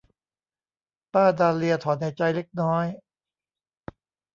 ป้าดาเลียถอนหายใจเล็กน้อย